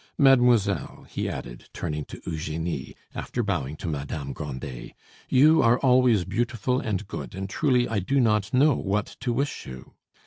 "Mademoiselle," he added, turning to Eugenie, after bowing to Madame Grandet, "you are always beautiful and good, and truly I do not know what to wish you."